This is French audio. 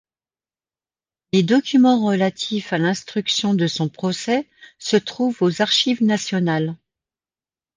Les documents relatifs à l'instruction de son procès se trouvent aux Archives nationales.